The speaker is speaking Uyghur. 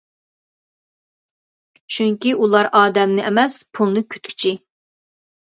چۈنكى ئۇلار ئادەمنى ئەمەس پۇلنى كۈتكۈچى.